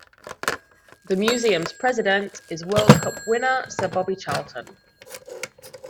The museum's president is World Cup winner Sir Bobby Charlton.